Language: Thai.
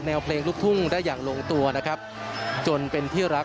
และก็มีการกินยาละลายริ่มเลือดแล้วก็ยาละลายขายมันมาเลยตลอดครับ